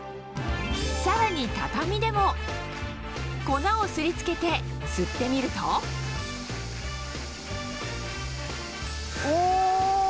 さらに畳でも粉をすり付けて吸ってみるとお！